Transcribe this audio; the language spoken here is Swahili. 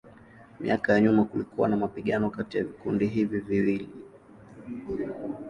Miaka ya nyuma kulikuwa na mapigano kati ya vikundi hivi viwili.